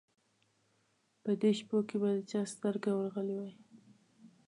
په دې شپو کې به د چا سترګه ورغلې وای.